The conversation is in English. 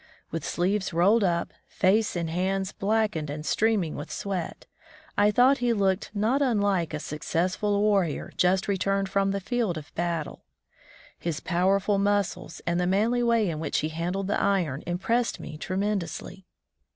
With sleeves rolled up, face and hands blackened and streaming with sweat, I thought he looked not unlike a successful warrior just returned from the field of battle. His powerful muscles and the manly way in which he handled the iron impressed me tremendously.